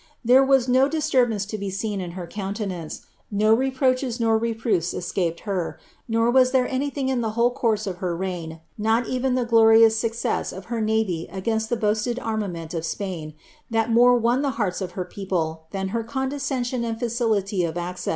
There was no disturbance to b« seeii Ml her countenance, no reproaches nor reproofs escaped her, aca was t)iere anything in the whole course of lier reign, not eveo the ^o rious success of her navy against the boasted armament of Spain, ihii m'lrc won the beeris of her people than her condescension and tkciliiy of Bcce?